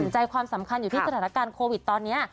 ใจความสำคัญอยู่ที่สถานการณ์โควิดตอนนี้